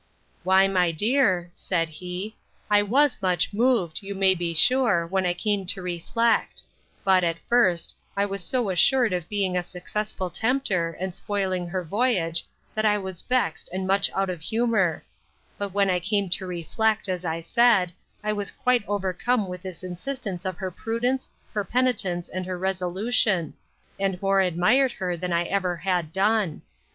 Why, my dear, said he, I was much moved, you may be sure, when I came to reflect: But, at first, I was so assured of being a successful tempter, and spoiling her voyage, that I was vexed, and much out of humour; but when I came to reflect, as I said, I was quite overcome with this instance of her prudence, her penitence, and her resolution; and more admired her than I ever had done.